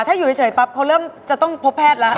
ถ้าอยู่เฉยปั๊บเขาเริ่มจะต้องพบแพทย์แล้ว